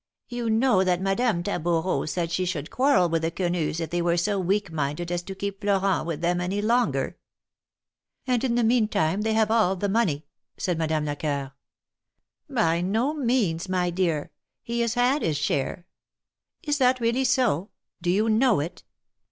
You know that Madame Taboureau said 296 THE MARKETS OF PARIS. she should quarrel with the Quenus if they were so weak minded as to keep Florent with them any longer." ^'And in the meantime they have all the money," said Madame Lecoeur. By no means, my dear ; he has had his share." Is that really so ? Do you know it